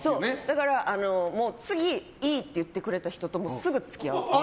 だから、次、いいって言ってくれた人とすぐ付き合う。